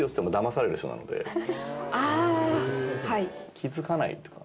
気付かないとか。